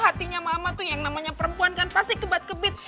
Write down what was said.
hatinya mama tuh yang namanya perempuan kan pasti kebat kebit